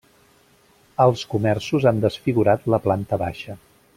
Els comerços han desfigurat la planta baixa.